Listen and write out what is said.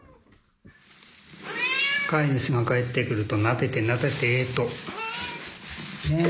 飼い主が帰ってくるとなでてなでてとね！